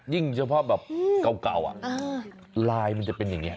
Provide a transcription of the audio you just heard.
เฉพาะแบบเก่าลายมันจะเป็นอย่างนี้